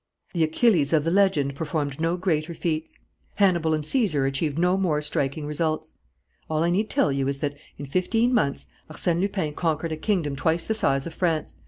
The Achilles of the legend performed no greater feats. Hannibal and Caesar achieved no more striking results. "All I need tell you is that, in fifteen months, Arsène Lupin conquered a kingdom twice the size of France.